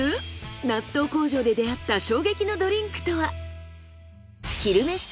納豆工場で出会った衝撃のドリンクとは？